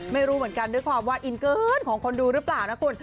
ไม่รู้เหมือนกันด้วยความว่าอินเกินของคนดูหรือเปล่านะคุณ